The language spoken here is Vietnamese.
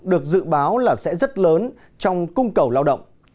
được dự báo là sẽ rất lớn trong cung cầu lao động